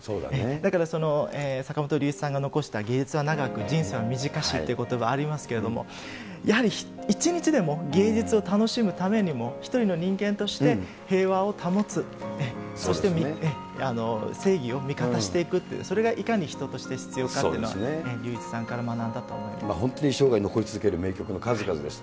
だから坂本龍一さんが残した芸術は長く、人生は短しっていうことば、ありますけれども、やはり一日でも芸術を楽しむためにも、一人の人間として平和を保つ、そして、正義を味方していくっていう、それがいかに人として必要かっていうのは、本当に、生涯残り続ける名曲の数々です。